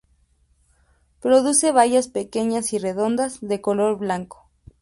Produce bayas pequeñas y redondas de color blanco.